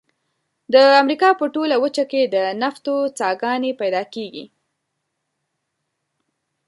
د امریکا په ټوله وچه کې د نفتو څاګانې پیدا کیږي.